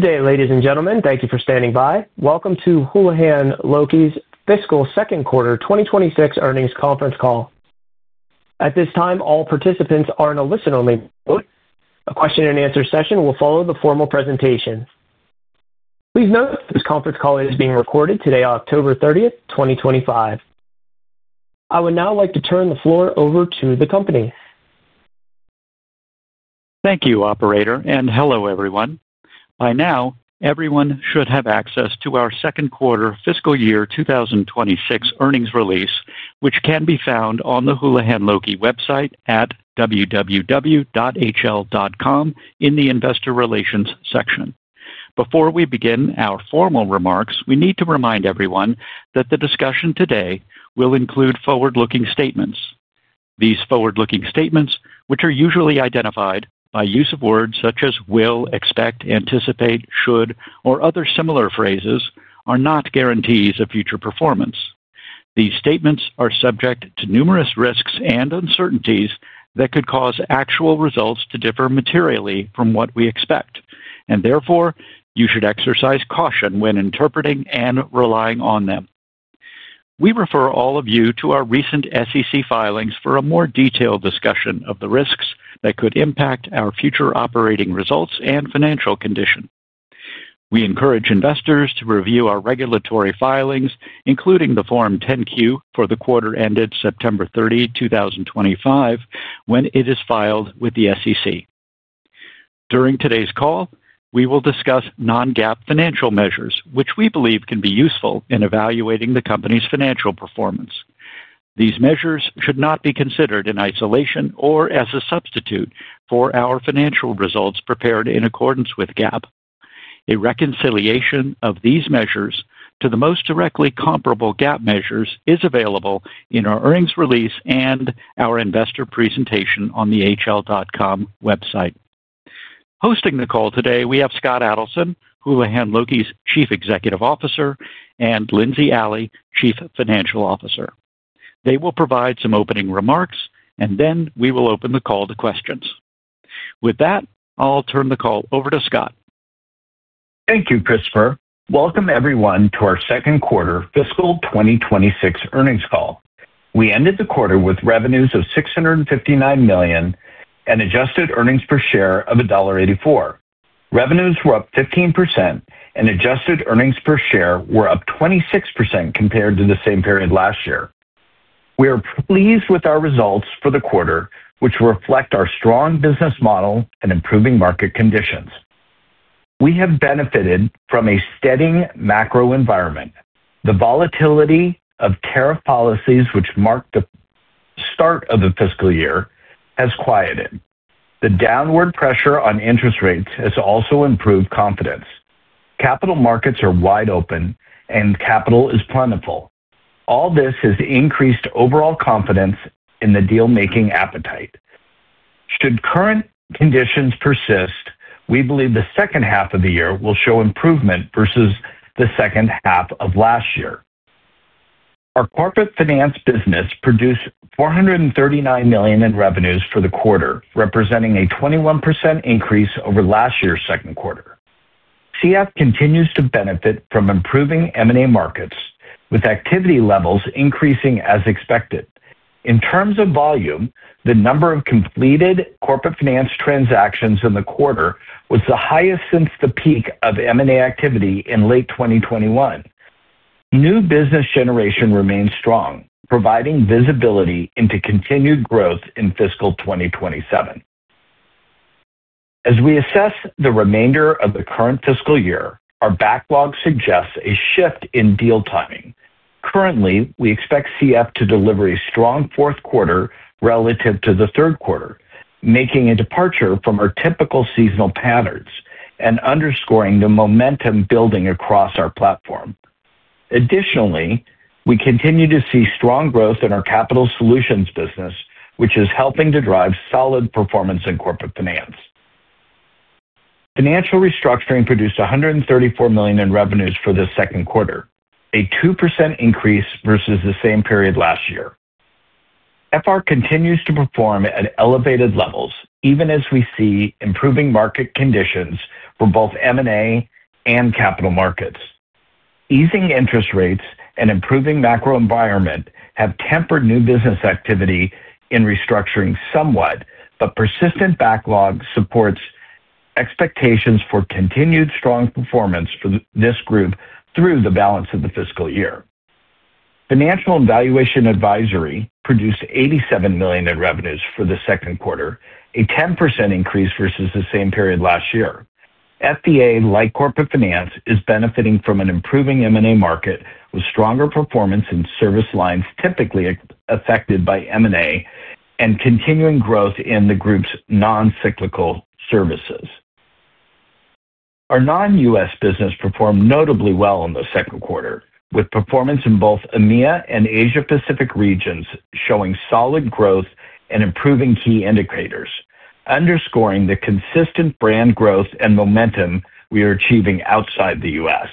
Good day, ladies and gentlemen. Thank you for standing by. Welcome to Houlihan Lokey's Fiscal Second Quarter 2026 earnings conference call. At this time, all participants are in a listen-only mode. A question-and-answer session will follow the formal presentation. Please note this conference call is being recorded today, October 30, 2025. I would now like to turn the floor over to the company. Thank you, Operator, and hello, everyone. By now, everyone should have access to our Second Quarter Fiscal Year 2026 earnings release, which can be found on the Houlihan Lokey website at www.hl.com in the Investor Relations section. Before we begin our formal remarks, we need to remind everyone that the discussion today will include forward-looking statements. These forward-looking statements, which are usually identified by use of words such as will, expect, anticipate, should, or other similar phrases, are not guarantees of future performance. These statements are subject to numerous risks and uncertainties that could cause actual results to differ materially from what we expect, and therefore, you should exercise caution when interpreting and relying on them. We refer all of you to our recent SEC filings for a more detailed discussion of the risks that could impact our future operating results and financial condition. We encourage investors to review our regulatory filings, including the Form 10-Q for the quarter ended September 30, 2025, when it is filed with the SEC. During today's call, we will discuss non-GAAP financial measures, which we believe can be useful in evaluating the company's financial performance. These measures should not be considered in isolation or as a substitute for our financial results prepared in accordance with GAAP. A reconciliation of these measures to the most directly comparable GAAP measures is available in our earnings release and our investor presentation on the hl.com website. Hosting the call today, we have Scott Adelson, Houlihan Lokey's Chief Executive Officer, and Lindsey Alley, Chief Financial Officer. They will provide some opening remarks, and then we will open the call to questions. With that, I'll turn the call over to Scott. Thank you, Christopher. Welcome, everyone, to our Second Quarter Fiscal 2026 earnings call. We ended the quarter with revenues of $659 million and adjusted earnings per share of $1.84. Revenues were up 15%, and adjusted earnings per share were up 26% compared to the same period last year. We are pleased with our results for the quarter, which reflect our strong business model and improving market conditions. We have benefited from a steady macro-environment. The volatility of tariff policies, which marked the start of the fiscal year, has quieted. The downward pressure on interest rates has also improved confidence. Capital markets are wide open, and capital is plentiful. All this has increased overall confidence in the deal-making appetite. Should current conditions persist, we believe the second half of the year will show improvement vs the second half of last year. Our corporate finance business produced $439 million in revenues for the quarter, representing a 21% increase over last year's second quarter. Corporate finance continues to benefit from improving M&A markets, with activity levels increasing as expected. In terms of volume, the number of completed corporate finance transactions in the quarter was the highest since the peak of M&A activity in late 2021. New business generation remains strong, providing visibility into continued growth in fiscal 2027. As we assess the remainder of the current fiscal year, our backlog suggests a shift in deal timing. Currently, we expect corporate finance to deliver a strong fourth quarter relative to the third quarter, making a departure from our typical seasonal patterns and underscoring the momentum building across our platform. Additionally, we continue to see strong growth in our capital solutions business, which is helping to drive solid performance in corporate finance. Financial restructuring produced $134 million in revenues for the second quarter, a 2% increase vs the same period last year. Financial restructuring continues to perform at elevated levels, even as we see improving market conditions for both M&A and capital markets. Easing interest rates and improving macro-environment have tempered new business activity in restructuring somewhat, but persistent backlog supports expectations for continued strong performance for this group through the balance of the fiscal year. Financial and valuation advisory produced $87 million in revenues for the second quarter, a 10% increase vs the same period last year. FVA, like corporate finance, is benefiting from an improving M&A market with stronger performance in service lines typically affected by M&A and continuing growth in the group's non-cyclical services. Our non-U.S. business performed notably well in the second quarter, with performance in both EMEA and Asia-Pacific regions showing solid growth and improving key indicators, underscoring the consistent brand growth and momentum we are achieving outside the U.S.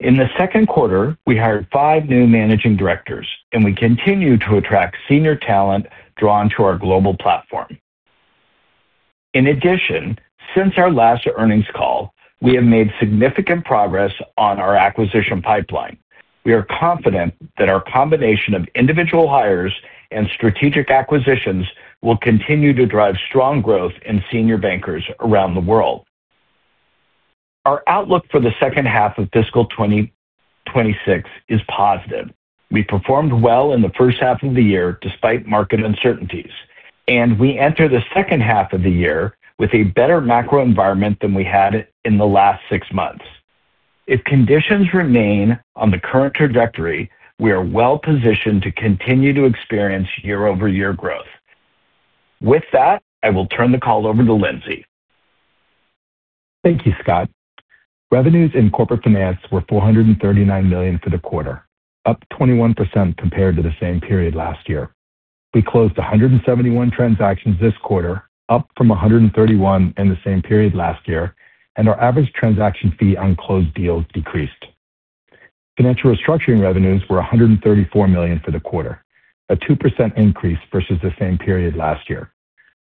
In the second quarter, we hired five new Managing Directors, and we continue to attract senior talent drawn to our global platform. In addition, since our last earnings call, we have made significant progress on our acquisition pipeline. We are confident that our combination of individual hires and strategic acquisitions will continue to drive strong growth in senior bankers around the world. Our outlook for the second half of fiscal 2026 is positive. We performed well in the first half of the year despite market uncertainties, and we enter the second half of the year with a better macro-environment than we had in the last six months. If conditions remain on the current trajectory, we are well positioned to continue to experience year-over-year growth. With that, I will turn the call over to Lindsey. Thank you, Scott. Revenues in corporate finance were $439 million for the quarter, up 21% compared to the same period last year. We closed 171 transactions this quarter, up from 131 in the same period last year, and our average transaction fee on closed deals decreased. Financial restructuring revenues were $134 million for the quarter, a 2% increase vs the same period last year.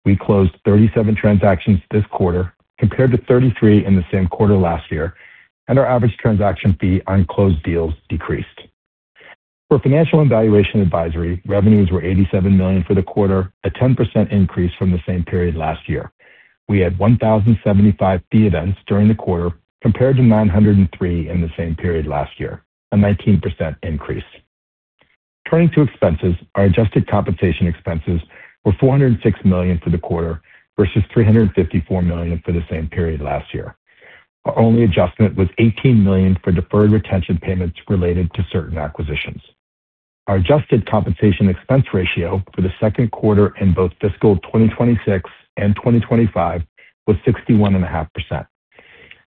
We closed 37 transactions this quarter, compared to 33 in the same quarter last year, and our average transaction fee on closed deals decreased. For financial and valuation advisory, revenues were $87 million for the quarter, a 10% increase from the same period last year. We had 1,075 fee events during the quarter, compared to 903 in the same period last year, a 19% increase. Turning to expenses, our adjusted compensation expenses were $406 million for the quarter vs $354 million for the same period last year. Our only adjustment was $18 million for deferred retention payments related to certain acquisitions. Our adjusted compensation expense ratio for the second quarter in both fiscal 2026 and 2025 was 61.5%.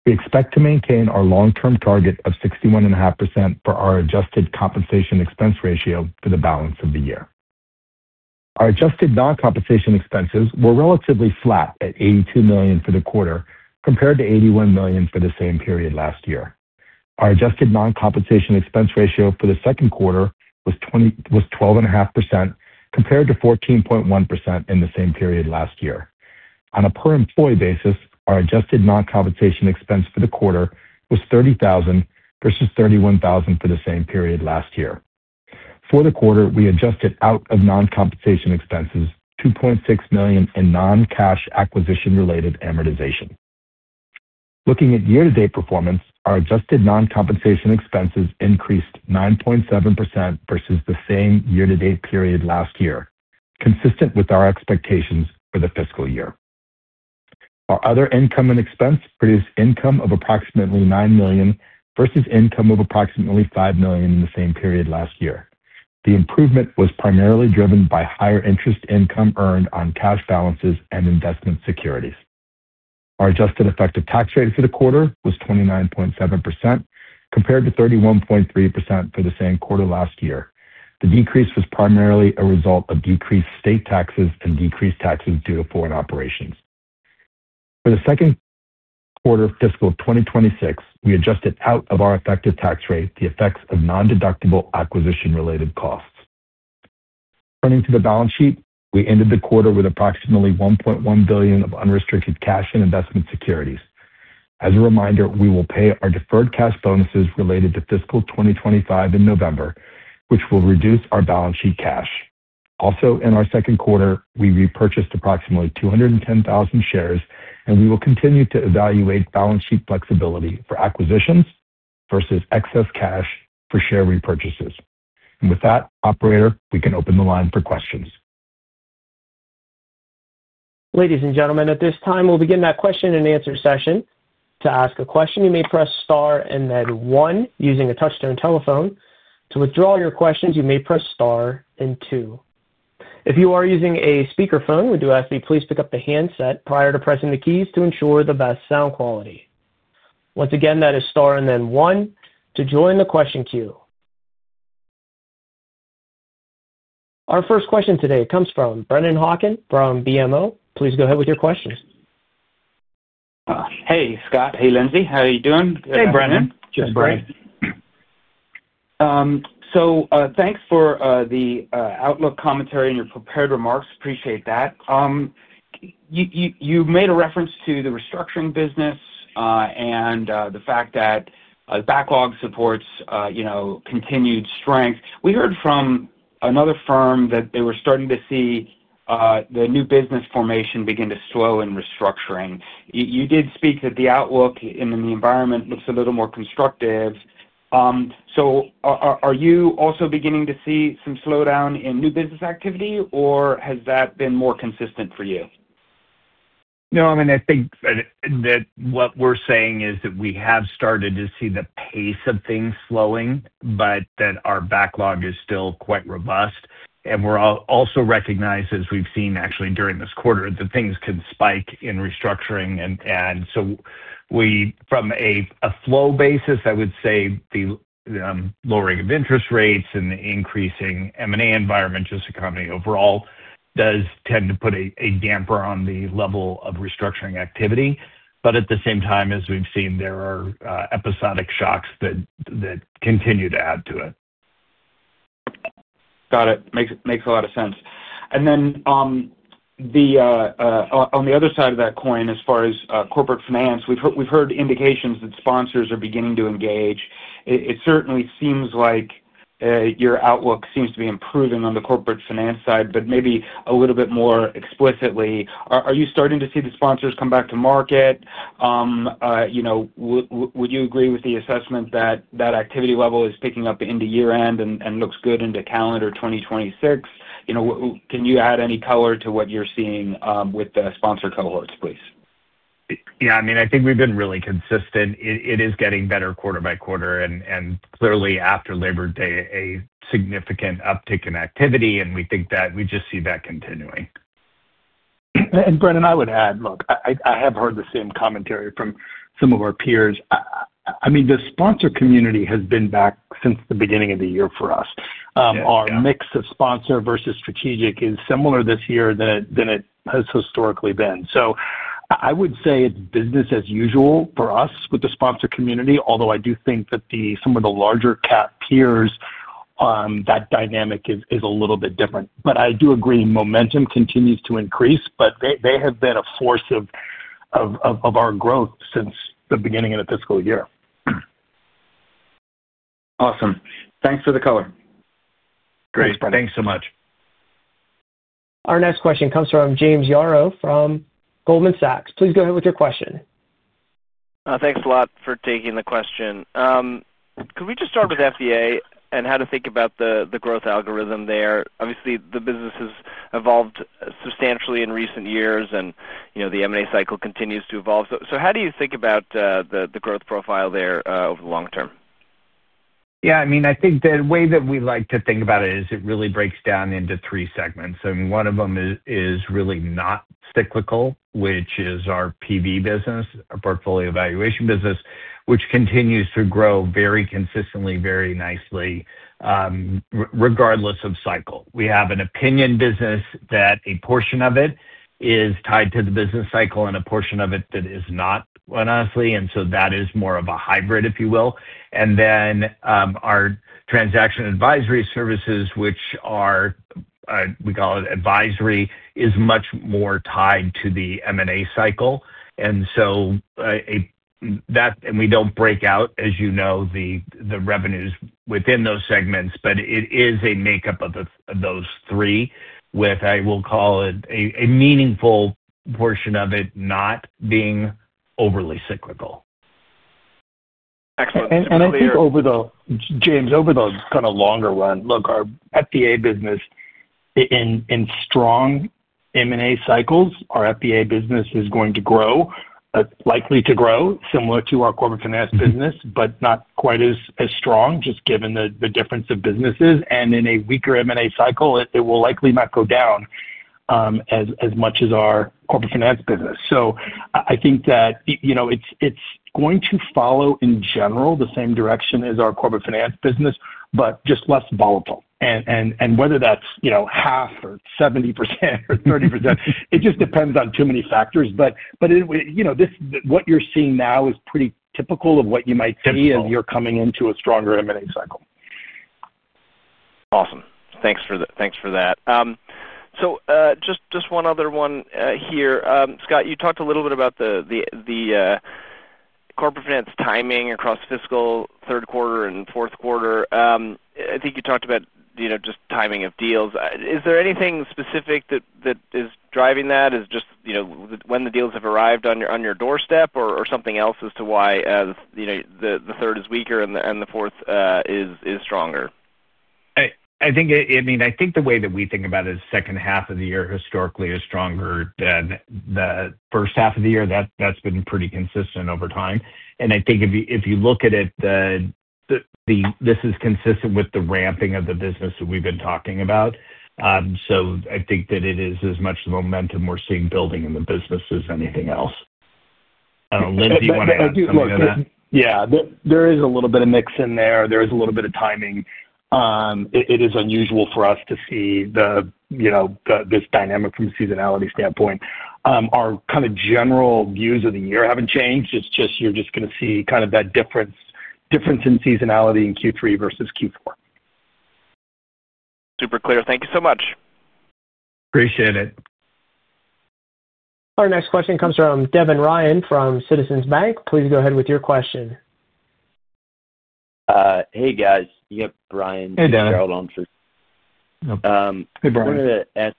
We expect to maintain our long-term target of 61.5% for our adjusted compensation expense ratio for the balance of the year. Our adjusted non-compensation expenses were relatively flat at $82 million for the quarter, compared to $81 million for the same period last year. Our adjusted non-compensation expense ratio for the second quarter was 12.5%, compared to 14.1% in the same period last year. On a per-employee basis, our adjusted non-compensation expense for the quarter was $30,000 vs $31,000 for the same period last year. For the quarter, we adjusted out of non-compensation expenses $2.6 million in non-cash acquisition-related amortization. Looking at year-to-date performance, our adjusted non-compensation expenses increased 9.7% versus the same year-to-date period last year, consistent with our expectations for the fiscal year. Our other income and expense produced income of approximately $9 million vs income of approximately $5 million in the same period last year. The improvement was primarily driven by higher interest income earned on cash balances and investment securities. Our adjusted effective tax rate for the quarter was 29.7%, compared to 31.3% for the same quarter last year. The decrease was primarily a result of decreased state taxes and decreased taxes due to foreign operations. For the second quarter fiscal 2026, we adjusted out of our effective tax rate the effects of non-deductible acquisition-related costs. Turning to the balance sheet, we ended the quarter with approximately $1.1 billion of unrestricted cash and investment securities. As a reminder, we will pay our deferred cash bonuses related to fiscal 2025 in November, which will reduce our balance sheet cash. Also, in our second quarter, we repurchased approximately 210,000 shares, and we will continue to evaluate balance sheet flexibility for acquisitions versus excess cash for share repurchases. With that, Operator, we can open the line for questions. Ladies and gentlemen, at this time, we'll begin the question-and-answer session. To ask a question, you may press star and then one using a touchscreen telephone. To withdraw your questions, you may press star and two. If you are using a speakerphone, we do ask that you please pick up the handset prior to pressing the keys to ensure the best sound quality. Once again, that is star and then one to join the question queue. Our first question today comes from Brennan Hawken from BMO. Please go ahead with your questions. Hey, Scott. Hey, Lindsey. How are you doing? Hey, Brennan. Hey, Brennan. Just great. Thanks for the outlook commentary and your prepared remarks. Appreciate that. You made a reference to the restructuring business and the fact that the backlog supports continued strength. We heard from another firm that they were starting to see the new business formation begin to slow in restructuring. You did speak that the outlook in the environment looks a little more constructive. Are you also beginning to see some slowdown in new business activity, or has that been more consistent for you? No, I mean, I think that what we're saying is that we have started to see the pace of things slowing, but that our backlog is still quite robust. We're also recognizing, as we've seen actually during this quarter, that things can spike in restructuring. From a flow basis, I would say the lowering of interest rates and the increasing M&A environment just accompany overall does tend to put a damper on the level of restructuring activity. At the same time, as we've seen, there are episodic shocks that continue to add to it. Got it. Makes a lot of sense. On the other side of that coin, as far as corporate finance, we've heard indications that sponsors are beginning to engage. It certainly seems like your outlook seems to be improving on the corporate finance side, but maybe a little bit more explicitly. Are you starting to see the sponsors come back to market? Would you agree with the assessment that that activity level is picking up into year-end and looks good into calendar 2026? Can you add any color to what you're seeing with the sponsor cohorts, please? I think we've been really consistent. It is getting better quarter-by-quarter, and clearly after Labor Day, a significant uptick in activity. We think that we just see that continuing. Brennan, I would add, look, I have heard the same commentary from some of our peers. I mean, the sponsor community has been back since the beginning of the year for us. Our mix of sponsor versus strategic is similar this year than it has historically been. I would say it's business as usual for us with the sponsor community, although I do think that some of the larger cap peers, that dynamic is a little bit different. I do agree momentum continues to increase, but they have been a force of our growth since the beginning of the fiscal year. Awesome. Thanks for the color. Great, thanks so much. Our next question comes from James Yaro from Goldman Sachs. Please go ahead with your question. Thanks a lot for taking the question. Could we just start with financial and valuation advisory and how to think about the growth algorithm there? Obviously, the business has evolved substantially in recent years, and the M&A cycle continues to evolve. How do you think about the growth profile there over the long term? Yeah, I mean, I think the way that we like to think about it is it really breaks down into three segments. One of them is really not cyclical, which is our portfolio valuation business, which continues to grow very consistently, very nicely, regardless of cycle. We have an opinion business that a portion of it is tied to the business cycle and a portion of it that is not, honestly. That is more of a hybrid, if you will. Then our transaction advisory services, which we call advisory, is much more tied to the M&A cycle. We don't break out, as you know, the revenues within those segments, but it is a makeup of those three with, I will call it, a meaningful portion of it not being overly cyclical. Excellent. I think over the longer run, look, our financial and valuation advisory business. In strong M&A cycles, our financial and valuation advisory business is going to grow. Likely to grow similar to our corporate finance business, but not quite as strong, just given the difference of businesses. In a weaker M&A cycle, it will likely not go down as much as our corporate finance business. I think that it's going to follow, in general, the same direction as our corporate finance business, but just less volatile. Whether that's half or 70% or 30%, it just depends on too many factors. What you're seeing now is pretty typical of what you might see as you're coming into a stronger M&A cycle. Awesome. Thanks for that. Just one other one here. Scott, you talked a little bit about the corporate finance timing across fiscal third quarter and fourth quarter. I think you talked about just timing of deals. Is there anything specific that is driving that? Is it just when the deals have arrived on your doorstep or something else as to why the third is weaker and the fourth is stronger? I mean, I think the way that we think about it is second half of the year historically is stronger than the first half of the year. That's been pretty consistent over time. I think if you look at it, this is consistent with the ramping of the business that we've been talking about. I think that it is as much the momentum we're seeing building in the business as anything else. I don't know. Lindsey, you want to add something to that? Yeah. There is a little bit of mix in there. There is a little bit of timing. It is unusual for us to see this dynamic from a seasonality standpoint. Our kind of general views of the year haven't changed. It's just you're just going to see kind of that difference in seasonality in Q3 vs Q4. Super clear. Thank you so much. Appreciate it. Our next question comes from Devin Ryan from Citizens Bank. Please go ahead with your question. Hey, guys. This is Brian Kleinhanzl. Hey, Devin. Hey, Brian. Hey, Brian. I wanted to add a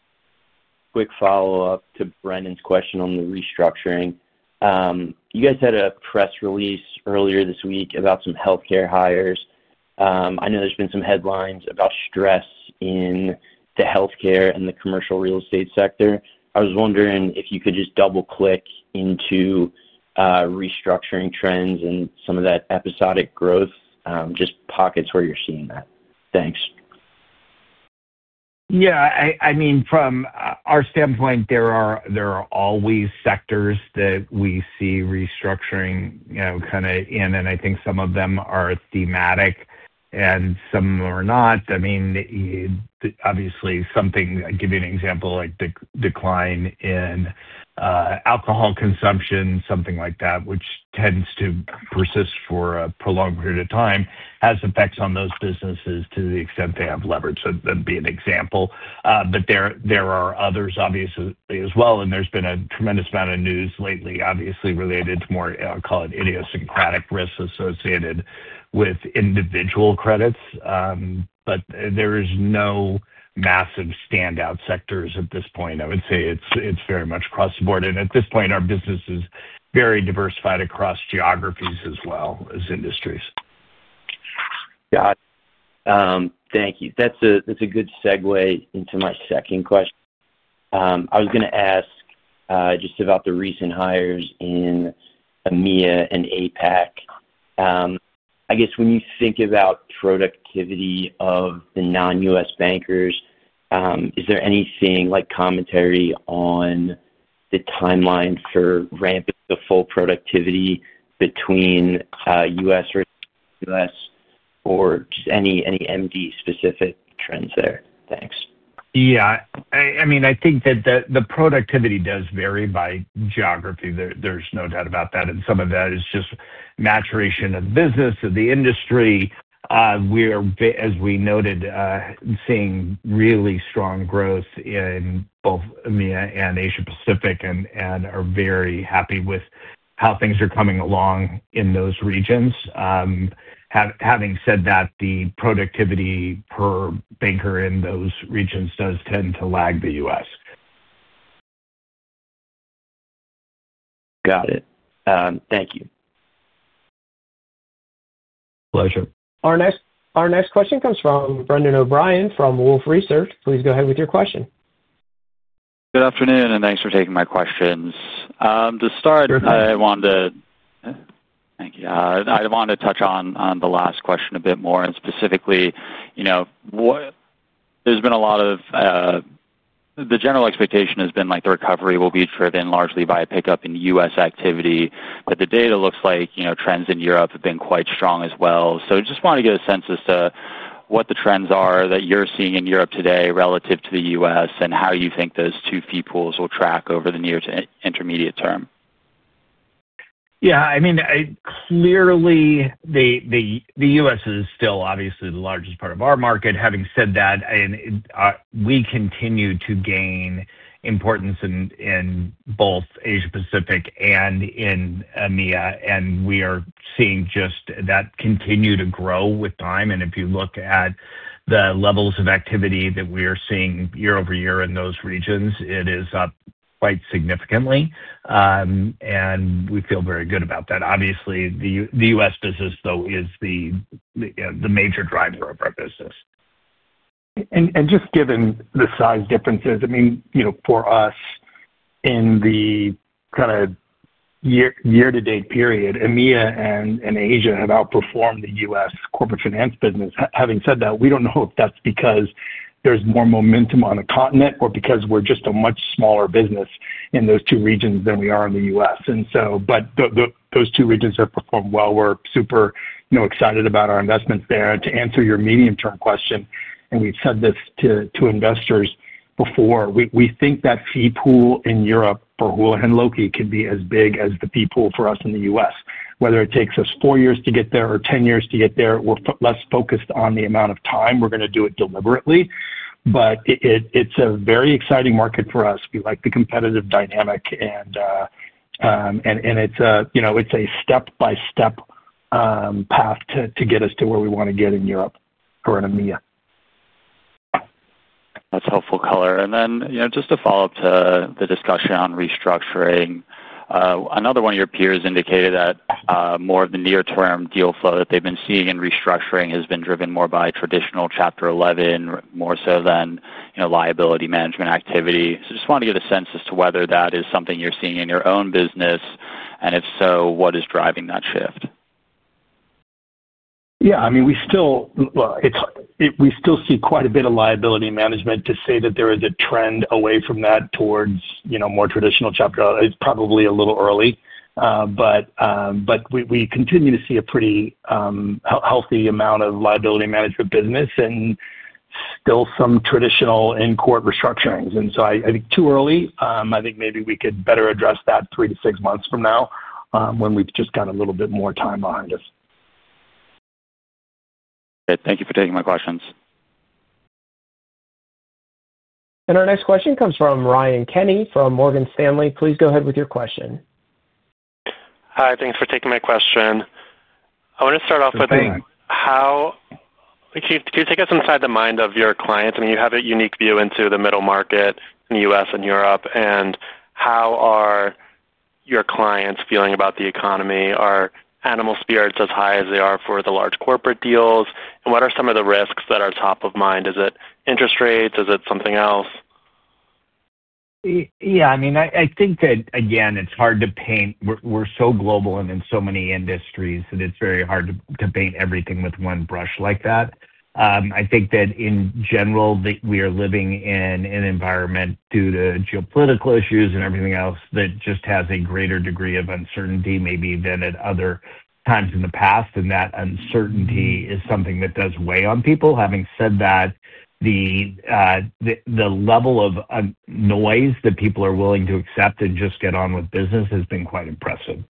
quick follow-up to Brennan question on the restructuring. You guys had a press release earlier this week about some healthcare hires. I know there's been some headlines about stress in the healthcare and the commercial real estate sector. I was wondering if you could just double-click into restructuring trends and some of that episodic growth, just pockets where you're seeing that. Thanks. Yeah. I mean, from our standpoint, there are always sectors that we see restructuring in, and I think some of them are thematic and some are not. Obviously, something—I'll give you an example—like the decline in alcohol consumption, something like that, which tends to persist for a prolonged period of time, has effects on those businesses to the extent they have leverage. That'd be an example. There are others, obviously, as well. There's been a tremendous amount of news lately, obviously, related to more, I'll call it, idiosyncratic risks associated with individual credits. There are no massive standout sectors at this point. I would say it's very much across the board. At this point, our business is very diversified across geographies as well as industries. Got it. Thank you. That's a good segue into my second question. I was going to ask just about the recent hires in EMEA and Asia-Pacific. I guess when you think about productivity of the non-U.S. bankers, is there anything like commentary on the timeline for ramping the full productivity between U.S., or just any MD-specific trends there? Thanks. Yeah. I mean, I think that the productivity does vary by geography. There's no doubt about that. Some of that is just maturation of the business, of the industry. We are, as we noted, seeing really strong growth in both EMEA and Asia-Pacific, and are very happy with how things are coming along in those regions. Having said that, the productivity per banker in those regions does tend to lag the U.S. Got it. Thank you. Pleasure. Our next question comes from Brendan O'Brien from Wolfe Research. Please go ahead with your question. Good afternoon, and thanks for taking my questions. To start, I wanted to touch on the last question a bit more, and specifically, there's been a lot of—the general expectation has been the recovery will be driven largely by a pickup in U.S. activity. The data looks like trends in Europe have been quite strong as well. I just wanted to get a sense as to what the trends are that you're seeing in Europe today relative to the U.S. and how you think those two pools will track over the near to intermediate term? Yeah. I mean, clearly, the U.S. is still obviously the largest part of our market. Having said that, we continue to gain importance in both Asia-Pacific and in EMEA. We are seeing just that continue to grow with time. If you look at the levels of activity that we are seeing year over year in those regions, it is up quite significantly. We feel very good about that. Obviously, the U.S. business, though, is the major driver of our business. Just given the size differences, I mean, for us, in the kind of year-to-date period, EMEA and Asia have outperformed the U.S. corporate finance business. Having said that, we don't know if that's because there's more momentum on the continent or because we're just a much smaller business in those two regions than we are in the U.S. Those two regions have performed well. We're super excited about our investments there. To answer your medium-term question, and we've said this to investors before, we think that fee pool in Europe for Houlihan Lokey can be as big as the fee pool for us in the U.S. Whether it takes us four years to get there or ten years to get there, we're less focused on the amount of time. We're going to do it deliberately. It's a very exciting market for us. We like the competitive dynamic. It's a step-by-step path to get us to where we want to get in Europe or in EMEA. That's helpful color. Just to follow up to the discussion on restructuring, another one of your peers indicated that more of the near-term deal flow that they've been seeing in restructuring has been driven more by traditional Chapter 11, more so than liability management activity. I just wanted to get a sense as to whether that is something you're seeing in your own business. If so, what is driving that shift? Yeah. I mean, we still see quite a bit of liability management. To say that there is a trend away from that towards more traditional Chapter 11, it's probably a little early. We continue to see a pretty healthy amount of liability management business and still some traditional in-court restructurings. I think too early. I think maybe we could better address that three to six months from now when we've just got a little bit more time behind us. Thank you for taking my questions. Our next question comes from Ryan Kenny from Morgan Stanley. Please go ahead with your question. Hi. Thanks for taking my question. I want to start off with. How can you take us inside the mind of your clients? I mean, you have a unique view into the middle market in the U.S. and Europe. How are your clients feeling about the economy? Are animal spirits as high as they are for the large corporate deals? What are some of the risks that are top of mind? Is it interest rates? Is it something else? Yeah. I mean, I think that, again, it's hard to paint. We're so global and in so many industries that it's very hard to paint everything with one brush like that. I think that, in general, we are living in an environment due to geopolitical issues and everything else that just has a greater degree of uncertainty maybe than at other times in the past. That uncertainty is something that does weigh on people. Having said that, the level of noise that people are willing to accept and just get on with business has been quite impressive.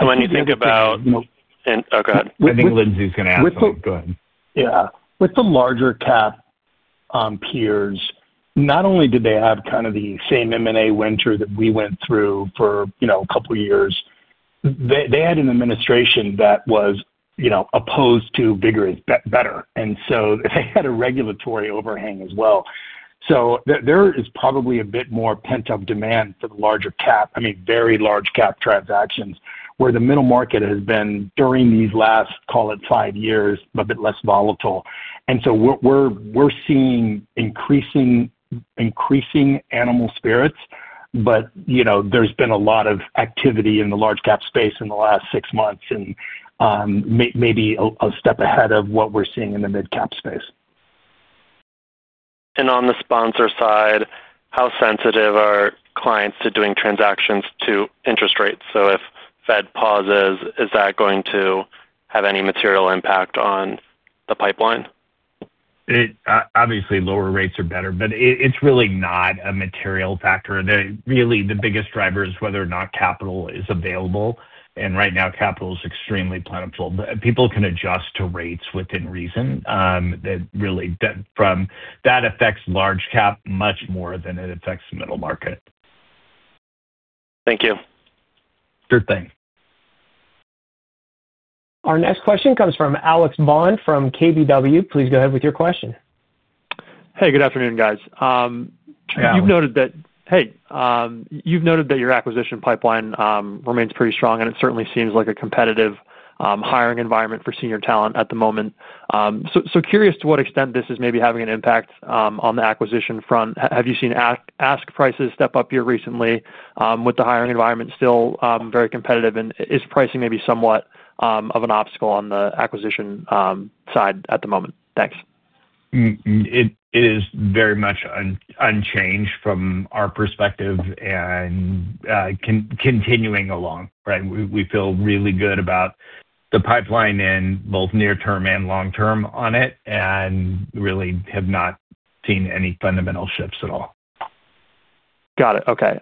When you think about— Oh, go ahead. I think Lindsey's going to add to that. Go ahead. Yeah. With the larger cap peers, not only did they have kind of the same M&A winter that we went through for a couple of years, they had an administration that was opposed to bigger is better, and they had a regulatory overhang as well. There is probably a bit more pent-up demand for the larger cap, I mean, very large cap transactions, where the middle market has been, during these last, call it, five years, a bit less volatile. We're seeing increasing animal spirits, but there's been a lot of activity in the large cap space in the last six months and maybe a step ahead of what we're seeing in the mid-cap space. On the sponsor side, how sensitive are clients to doing transactions to interest rates? If Fed pauses, is that going to have any material impact on the pipeline? Obviously, lower rates are better, but it's really not a material factor. Really, the biggest driver is whether or not capital is available. Right now, capital is extremely plentiful. People can adjust to rates within reason. That affects large cap much more than it affects the middle market. Thank you. Sure thing. Our next question comes from Alex Bond from KBW. Please go ahead with your question. Good afternoon, guys. You've noted that your acquisition pipeline remains pretty strong, and it certainly seems like a competitive hiring environment for senior talent at the moment. I'm curious to what extent this is maybe having an impact on the acquisition front. Have you seen ask prices step up here recently with the hiring environment still very competitive? Is pricing maybe somewhat of an obstacle on the acquisition side at the moment? Thanks. It is very much unchanged from our perspective. Continuing along, we feel really good about the pipeline in both near-term and long-term on it and really have not seen any fundamental shifts at all. Got it. Okay.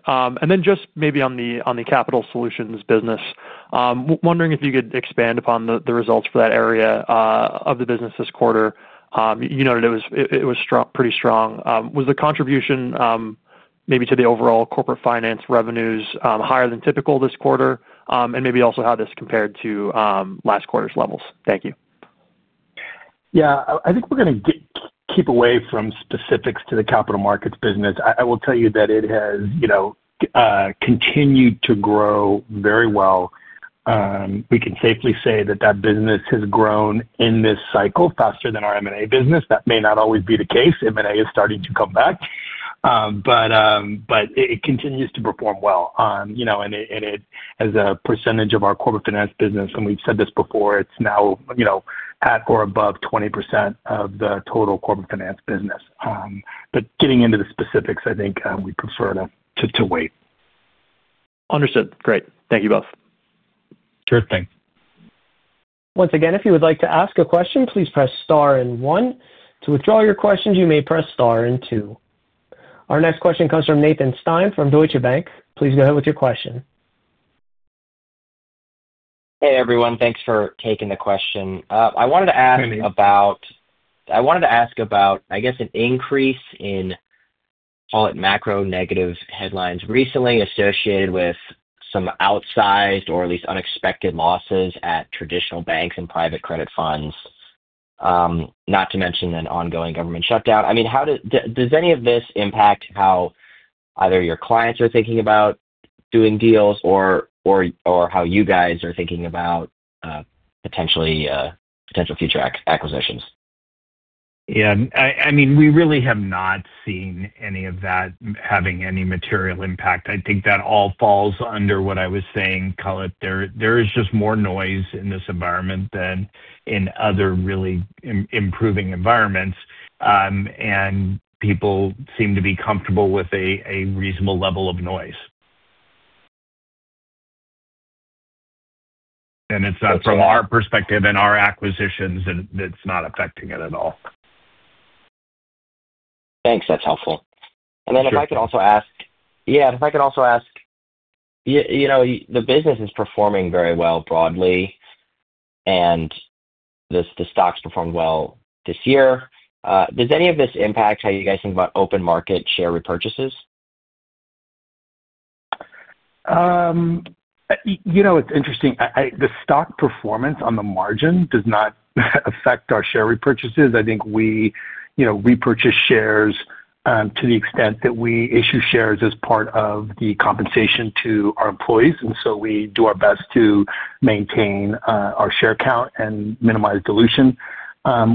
Maybe on the capital solutions business, wondering if you could expand upon the results for that area of the business this quarter. You noted it was pretty strong. Was the contribution maybe to the overall corporate finance revenues higher than typical this quarter? Also, how did this compare to last quarter's levels? Thank you. Yeah. I think we're going to keep away from specifics to the capital markets business. I will tell you that it has continued to grow very well. We can safely say that that business has grown in this cycle faster than our M&A business. That may not always be the case. M&A is starting to come back. It continues to perform well, and as a percentage of our corporate finance business, and we've said this before, it's now at or above 20% of the total corporate finance business. Getting into the specifics, I think we prefer to wait. Understood. Great. Thank you both. Sure thing. Once again, if you would like to ask a question, please press star and one. To withdraw your questions, you may press star and two. Our next question comes from Nathan Stein from Deutsche Bank. Please go ahead with your question. Hey, everyone. Thanks for taking the question. I wanted to ask about an increase in, call it, macro-negative headlines recently associated with some outsized or at least unexpected losses at traditional banks and private credit funds, not to mention an ongoing government shutdown. Does any of this impact how either your clients are thinking about doing deals or how you guys are thinking about potential future acquisitions? Yeah. We really have not seen any of that having any material impact. I think that all falls under what I was saying, call it. There is just more noise in this environment than in other really improving environments. People seem to be comfortable with a reasonable level of noise. It's not, from our perspective and our acquisitions, affecting it at all. Thanks. That's helpful. If I could also ask, the business is performing very well broadly, and the stock's performed well this year. Does any of this impact how you guys think about open market share repurchases? It's interesting. The stock performance on the margin does not affect our share repurchases. I think we repurchase shares to the extent that we issue shares as part of the compensation to our employees, and so we do our best to maintain our share count and minimize dilution.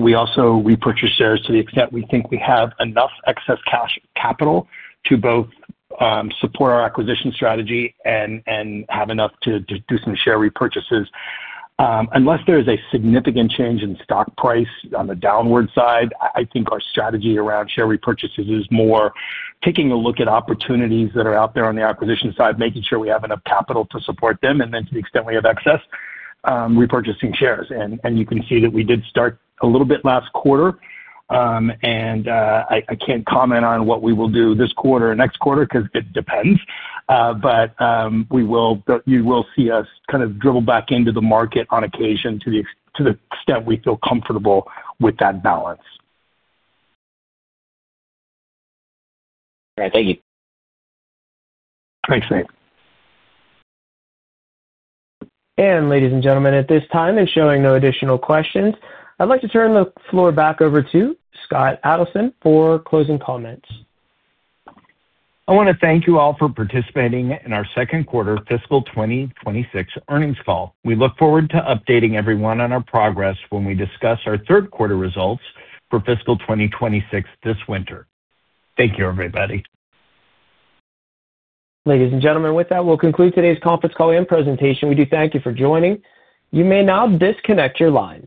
We also repurchase shares to the extent we think we have enough excess cash capital to both support our acquisition strategy and have enough to do some share repurchases. Unless there is a significant change in stock price on the downward side, I think our strategy around share repurchases is more taking a look at opportunities that are out there on the acquisition side, making sure we have enough capital to support them, and then to the extent we have excess, repurchasing shares. You can see that we did start a little bit last quarter. I can't comment on what we will do this quarter or next quarter because it depends. You will see us kind of dribble back into the market on occasion to the extent we feel comfortable with that balance. All right. Thank you. Thanks, Nate. Ladies and gentlemen, at this time, showing no additional questions, I'd like to turn the floor back over to Scott Adelson for closing comments. I want to thank you all for participating in our second quarter fiscal 2026 earnings call. We look forward to updating everyone on our progress when we discuss our third quarter results for fiscal 2026 this winter. Thank you, everybody. Ladies and gentlemen, with that, we'll conclude today's conference call and presentation. We do thank you for joining. You may now disconnect your lines.